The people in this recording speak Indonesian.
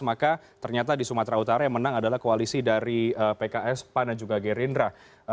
maka ternyata di sumatera utara yang menang adalah koalisi dari pks pan dan juga gerindra